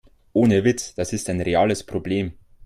Ohne Witz, das ist ein reales Problem.